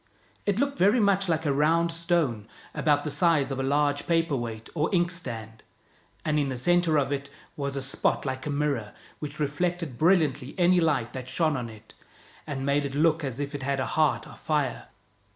It looked very much like a round stone, about the size of a large paper weight or ink stand, and in the center of it was a spot like a mirror, which reflected brilliantly any light that shone on it, and made it look as if it had a heart of fire.